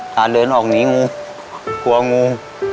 ตาเดินออกนี้งู